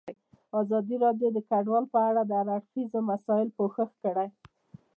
ازادي راډیو د کډوال په اړه د هر اړخیزو مسایلو پوښښ کړی.